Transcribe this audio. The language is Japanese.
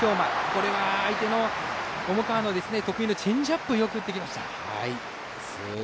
これは相手の重川の得意のチェンジアップをよく打ってきました。